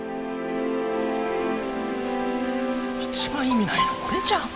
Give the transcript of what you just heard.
一番意味ないの俺じゃん。